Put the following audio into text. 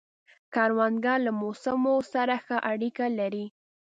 کروندګر له موسمو سره ښه اړیکه لري